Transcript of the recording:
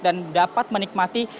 dan dapat menikmati